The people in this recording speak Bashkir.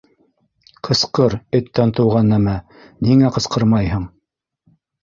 Ҡысҡыр, эттән тыуған нәмә, ниңә ҡысҡырмайһың?